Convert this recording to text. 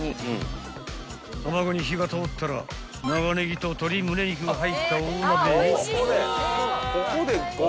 ［卵に火が通ったら長ネギと鶏ムネ肉が入った大鍋へ］